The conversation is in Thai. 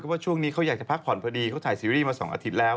เค้าจึงอยากจะพักผ่อนพอดีเขาถ่ายซีรีส์มาสิ่งอาทิตย์แล้ว